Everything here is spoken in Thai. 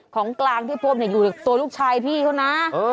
ของกลางที่พบอยู่ตัวลูกชายพี่เขานะ